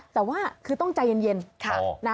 แต่ว่าคือต้องใจเย็น